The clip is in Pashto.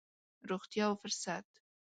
روغتيا او فرصت.